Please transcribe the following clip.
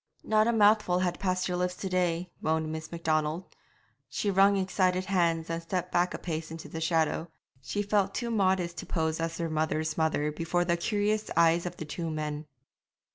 'Not a mouthful has passed her lips to day,' moaned Miss Macdonald. She wrung excited hands and stepped back a pace into the shadow; she felt too modest to pose as her mother's mother before the curious eyes of the two men.